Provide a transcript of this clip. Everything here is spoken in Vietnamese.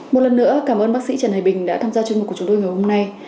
một lần nữa cảm ơn bác sĩ trần hải bình đã tham gia chương mục của chúng tôi ngày hôm nay